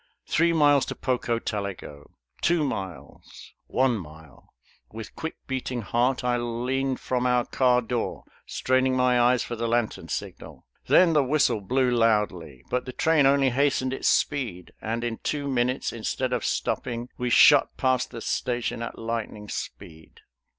Three miles to Pocotaligo; two miles; one mile. With quick beating heart I leaned from our car door, straining my eyes for the lantern signal. Then the whistle blew loudly, but the train only hastened its speed, and in two minutes, instead of stopping, we shot past the station at lightning speed.